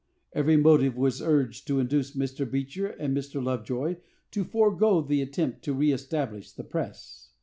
Every motive was urged to induce Mr. Beecher and Mr. Lovejoy to forego the attempt to reëstablish the press.